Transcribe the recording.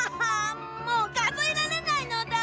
もうかぞえられないのだ！